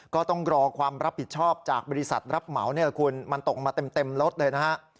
ก็ต้องรอความรับผิดชอบจากบริษัทรับเหมาเนี่ยคุณมันตกมาเต็มรถเลยนะฮะ